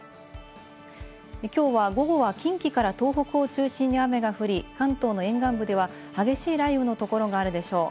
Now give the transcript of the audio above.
きょうは午後は近畿から東北を中心に雨が降り、関東の沿岸部では激しい雷雨のところがあるでしょう。